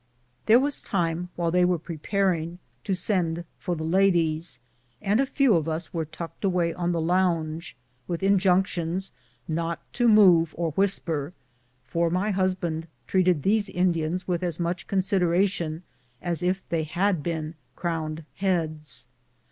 There was time, while they were preparing, to send for the ladies, and a few of us were tucked away on the lounge, with injunctions not to move or w^hisper, for my husband treated these Indians with as much consideration as if they had been crowned heads.